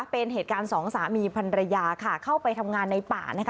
เป็นเหตุการณ์สองสามีพันรยาค่ะเข้าไปทำงานในป่านะคะ